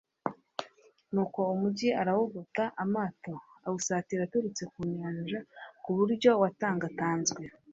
nuko umugi arawugota, amato awusatira aturutse ku nyanja ku buryo watangatanzwe